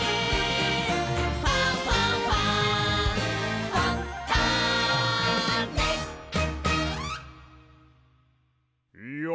「ファンファンファン」いや